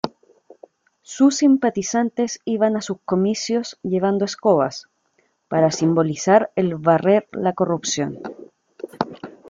Sus simpatizantes iban a sus comicios llevando escobas, para simbolizar el "barrer la corrupción".